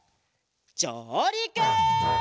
じょうりく！